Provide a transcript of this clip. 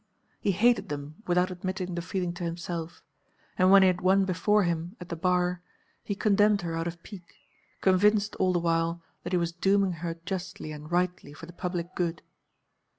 He hated them without admitting the feeling to himself, and when he had one before him at the bar, he condemned her out of pique, convinced all the while that he was dooming her justly and rightly for the public good.